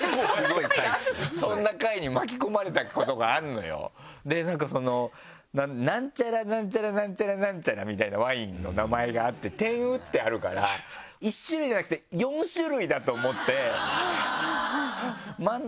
そんな会に巻き込まれたことがあるのよなんかそのなんちゃらなんちゃらなんちゃらなんちゃらみたいなワインの名前があって点打ってあるから１種類じゃなくて４種類だと思って。